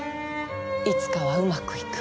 いつかはうまくいく。